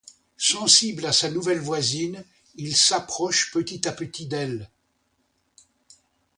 Sensible à sa nouvelle voisine, il s'approche petit à petit d'elle.